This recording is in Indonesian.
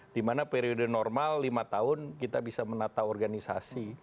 dimana periode normal lima tahun kita bisa menata organisasi